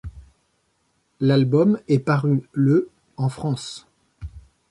L'album est paru le en France.